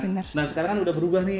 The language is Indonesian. nah sekarang kan udah berubah nih